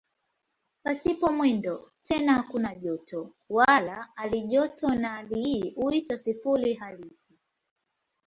Pasipo mwendo tena hakuna joto wala halijoto na hali hii huitwa "sifuri halisi".